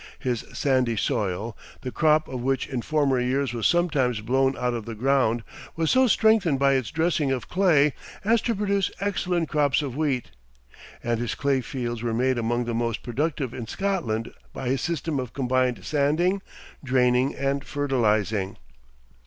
His sandy soil, the crop of which in former years was sometimes blown out of the ground, was so strengthened by its dressing of clay as to produce excellent crops of wheat; and his clay fields were made among the most productive in Scotland by his system of combined sanding, draining and fertilizing.